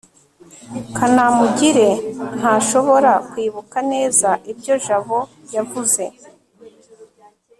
kanamugire ntashobora kwibuka neza ibyo jabo yavuze